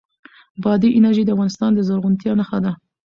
بادي انرژي د افغانستان د زرغونتیا نښه ده.